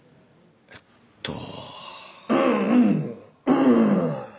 えっと。